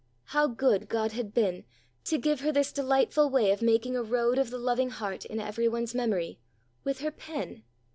How good God had been to give her this delightful way of making a Road of the Loving Heart in every one's memory with her pen!